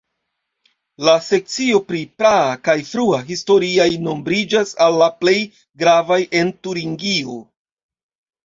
La sekcio pri praa kaj frua historiaj nombriĝas al la plej gravaj en Turingio.